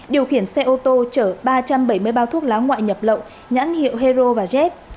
điều khiển xe ô tô chở ba trăm bảy mươi bao thuốc lá ngoại nhập lậu nhãn hiệu hero và jet